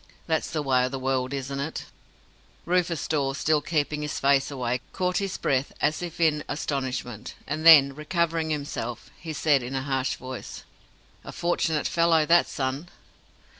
That's the way of the world, isn't it?" Rufus Dawes, still keeping his face away, caught his breath as if in astonishment, and then, recovering himself, he said in a harsh voice, "A fortunate fellow that son!"